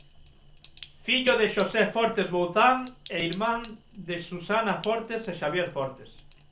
Fillo de Xosé Fortes Bouzán e irmán de Susana Fortes e Xabier Fortes.